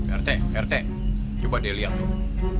pak rt pak rt coba deh lihat tuh